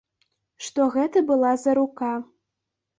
Што гэта была за рука.